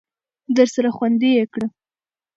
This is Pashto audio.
درسره خوندي یې کړه !